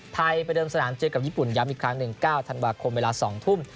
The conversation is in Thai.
ไปประเดิมสนามเจอกับญี่ปุ่นย้ำอีกครั้งหนึ่ง๙ธันวาคมเวลา๒ทุ่ม